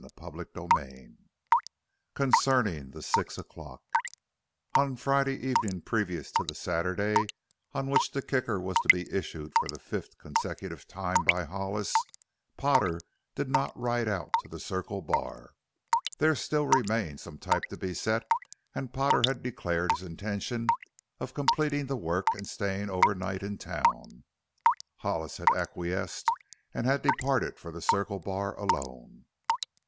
CHAPTER VIII CONCERNING THE "SIX O'CLOCK" On Friday evening previous to the Saturday on which the Kicker was to be issued for the fifth consecutive time by Hollis, Potter did not ride out to the Circle Bar. There still remained some type to be set and Potter had declared his intention of completing the work and staying overnight in town. Hollis had acquiesced and had departed for the Circle Bar alone.